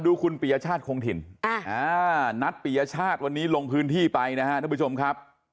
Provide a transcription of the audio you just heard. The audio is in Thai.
ดูคุณปียชาติคงถิ่นนัดปียชาติวันนี้ลงพื้นที่ไปนะครับท่านผู้ชมครับ